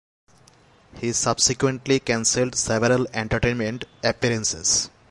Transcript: He subsequently cancelled several entertainment appearances.